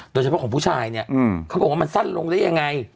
โดยเฉพาะของผู้ชายเนี่ยเขาบอกว่ามันสั้นลงได้ยังไง